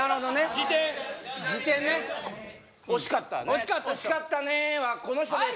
次点次点ね惜しかったね惜しかったねはこの人です